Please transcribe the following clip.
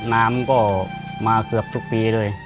น้ำก็มาเกือบทุกปีเลย